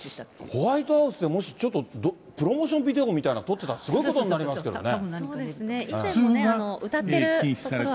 ホワイトハウスでもしちょっと、プロモーションビデオみたいなの撮ってたらすごいことになりますけどね。